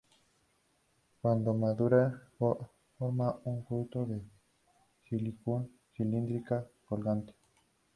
Cuando madura forma un fruto en silicua cilíndrica colgante.